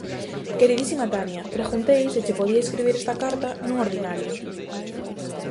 Queridísima Tania, preguntei se che podía escribir esta carta non ordinaria.